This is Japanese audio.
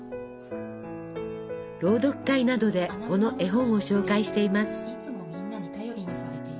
朗読会などでこの絵本を紹介しています。